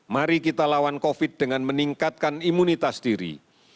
mari kita lawan covid dengan meningkatkan imunitas diri